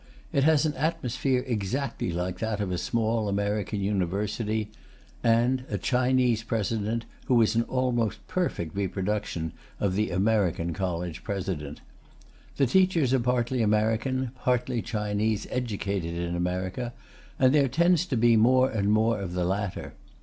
It has an atmosphere exactly like that of a small American university, and a (Chinese) President who is an almost perfect reproduction of the American College President. The teachers are partly American, partly Chinese educated in America, and there tends to be more and more of the latter.